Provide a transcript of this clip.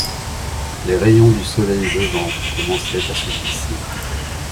Les rayons du soleil levant commençaient à se glisser